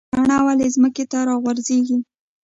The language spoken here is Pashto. مڼه ولې ځمکې ته راغورځیږي؟